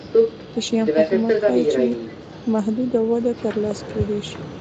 د شیام حکومت ښيي چې محدوده وده ترلاسه کېدای شي